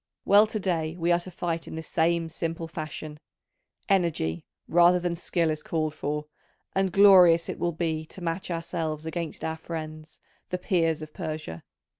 Well, to day we are to fight in this same simple fashion: energy, rather than skill, is called for, and glorious it will be to match ourselves against our friends, the Peers of Persia.